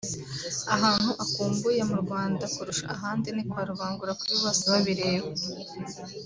ahantu akumbuye mu Rwanda kurusha ahandi ni kwa Rubangura (kuri bose babireba)